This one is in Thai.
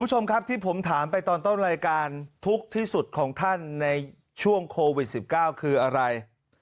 คุณผู้ชมครับที่ผมถามไปตอนต้นรายการทุกข์ที่สุดของท่านในช่วงโควิด๑๙คืออะไร